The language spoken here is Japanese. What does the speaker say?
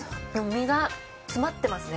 身が詰まってますね。